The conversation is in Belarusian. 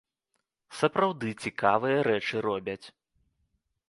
Сапраўды цікавыя рэчы робяць.